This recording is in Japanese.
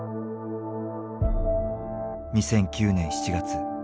２００９年７月。